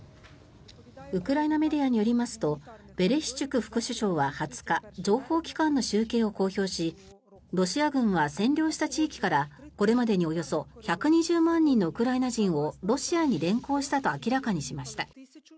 ウクライナメディアによりますとベレシチュク副首相は２０日情報機関の集計を公表しロシア軍は占領した地域からこれまでにおよそ１２０万人のウクライナ人をロシアに連行したと明らかにしました。